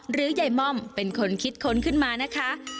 หรือยายม่อมเป็นคนคิดค้นขึ้นมานะคะ